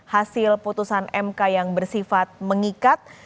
hasil putusan mk yang bersifat mengikat